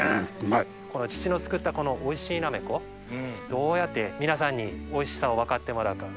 父の作ったこのおいしいなめこどうやって皆さんにおいしさを分かってもらうか